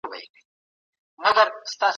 له علامه بابا څخه په ميراث پاته سوی کتابتون، چي